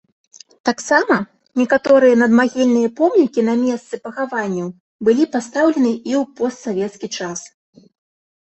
Таксама, некаторыя надмагільныя помнікі на месцы пахаванняў былі пастаўлены і ў постсавецкі час.